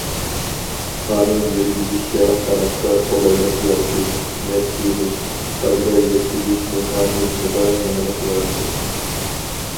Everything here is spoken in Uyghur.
قانۇن يۈرگۈزۈشتە خەلققە قولايلىق يارىتىش، نەپ بېرىش، پايدا يەتكۈزۈش مېخانىزمىدا يېڭىلىق ياراتتۇق.